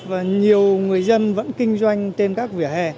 và nhiều người dân vẫn kinh doanh trên các vỉa hè